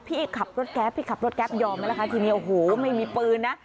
พี่ขับรถแก๊ปพี่ขับรถแก๊ปยอมแล้วนะคะทีนี้โอ้โหไม่มีปืนนะ